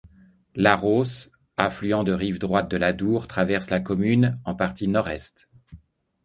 L'Arros, affluent de rive droite de l’Adour, traverse la commune en partie nord-est.